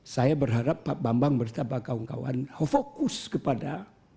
saya berharap pak bambang bersama kawan kawan fokus kepada